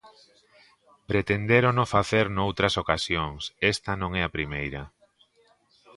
Pretendérono facer noutras ocasións, esta non é a primeira.